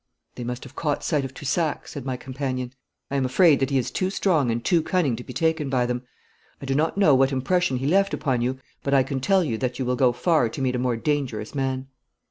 'They must have caught sight of Toussac,' said my companion. 'I am afraid that he is too strong and too cunning to be taken by them. I do not know what impression he left upon you, but I can tell you that you will go far to meet a more dangerous man.'